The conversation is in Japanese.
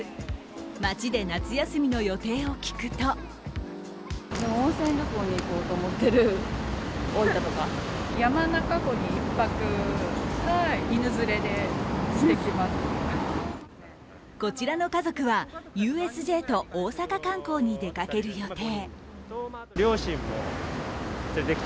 街で夏休みの予定を聞くとこちらの家族は、ＵＳＪと大阪観光に出かける予定。